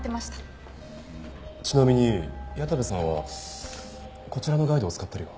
ちなみに矢田部さんはこちらのガイドを使ったりは？